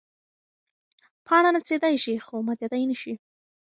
پاڼه نڅېدی شي خو ماتېدی نه شي.